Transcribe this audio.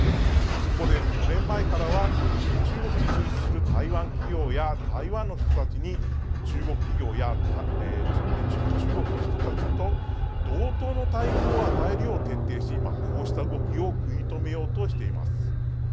そこで５年前からは中国に進出する台湾企業や台湾の人たちに中国企業や中国の人たちと同等の待遇を与えるよう徹底しこうした動きを食い止めようとしています。